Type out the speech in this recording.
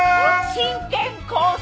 真剣交際